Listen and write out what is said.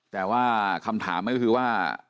แต่ว่าคำถามก็คือว่า